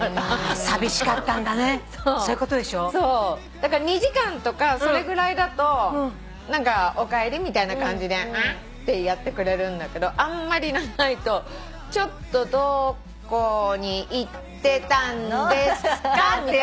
だから２時間とかそれぐらいだと何かおかえりみたいな感じでニャッてやってくれるんだけどあんまり長いとちょっとどこに行ってたんですかみたいな。